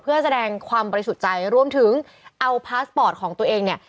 เพื่อแสดงความบริสุทธิ์ใจรวมถึงเอาพาสปอร์ตของตัวเองเนี่ย